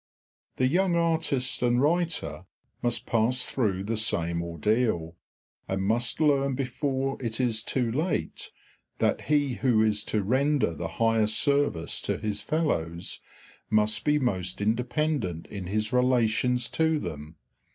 The young artist and writer must pass through the same ordeal, and must learn before it is too late that he who is to render the highest service to his fellows must be most independent in his relations to them.